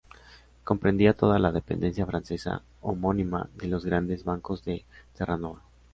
Comprendía toda la dependencia francesa homónima de los Grandes Bancos de Terranova.